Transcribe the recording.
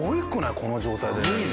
この状態で。